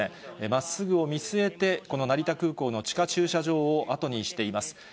まっすぐを見据えて、この成田空港の地下駐車場を後にしています。